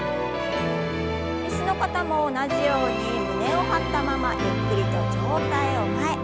椅子の方も同じように胸を張ったままゆっくりと上体を前。